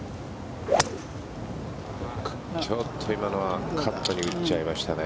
ちょっと今のはカットに打っちゃいましたね。